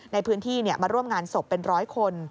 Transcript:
ในพื้นที่มาร่วมงานศพเป็นร้อยคน